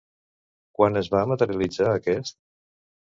Quan es va materialitzar aquest?